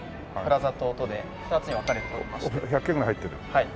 はい。